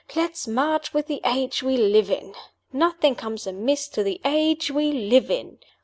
Let's march with the age we live in. Nothing comes amiss to the age we live in.